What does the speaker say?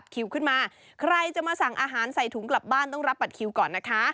คิวขึ้นมาใครจะมาสั่งอาหารใส่ถุงกลับบ้านต้องรับบัตรคิวก่อนนะคะ